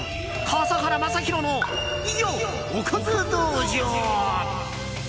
笠原将弘のおかず道場。